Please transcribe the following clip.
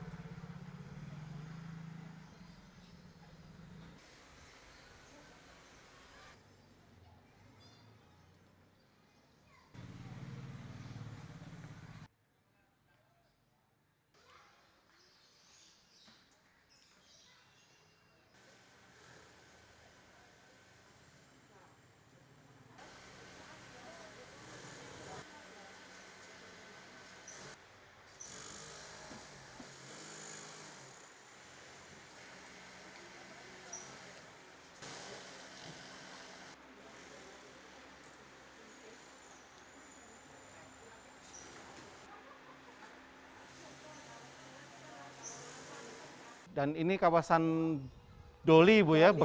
cuma masalahnya itu kekerasan saja